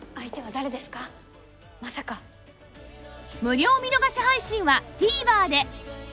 無料見逃し配信は ＴＶｅｒ で